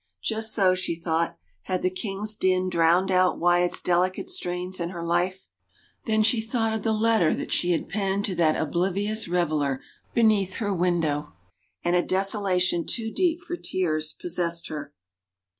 Just so, she thought, had the king's din drowned out Wyatt's delicate strains in her life. ... Then she thought of the letter that she had penned to that oblivious reveler beneath her window and a desolation too deep for tears possessed her.